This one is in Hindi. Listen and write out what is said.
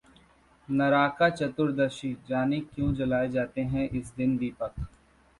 Naraka Chaturdashi: जानें क्यों जलाए जाते हैं इस दिन दीपक?